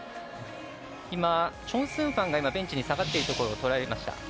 今、チョン・スンファンがベンチに下がっているところをとらえました。